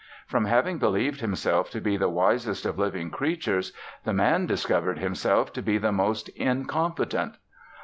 From having believed himself to be the wisest of living creatures the Man discovered himself to be the most incompetent.